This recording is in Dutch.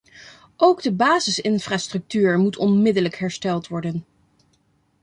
Ook de basisinfrastructuur moet onmiddellijk hersteld worden.